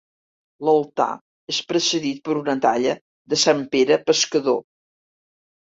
L'altar és precedit per una talla de Sant Pere Pescador.